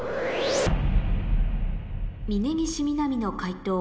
峯岸みなみの解答